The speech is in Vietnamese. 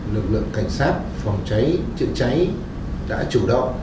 lực lượng cảnh sát phòng cháy chữa cháy đã chủ động